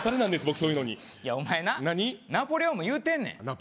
僕そういうのにいやお前なナポレオンも言うてんねん何？